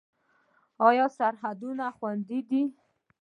آیا سرحدونه خوندي دي؟